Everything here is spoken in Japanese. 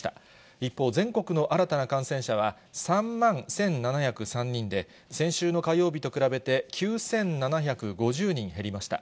一方、全国の新たな感染者は３万１７０３人で、先週の火曜日と比べて９７５０人減りました。